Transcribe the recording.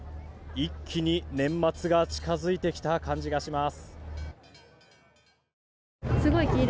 一気に年末が近づいてきた感じがします。